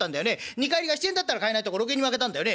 二荷入りが７円だったら買えないところ６円にまけたんだよね。